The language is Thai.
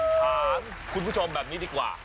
ถามคุณผู้ชมแบบนี้ดีกว่า